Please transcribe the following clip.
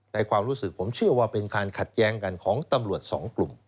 ความรู้สึกผมเชื่อว่าเป็นการขัดแย้งกันของตำรวจสองกลุ่ม